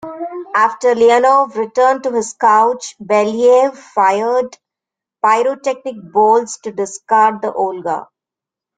After Leonov returned to his couch, Belyayev fired pyrotechnic bolts to discard the Volga.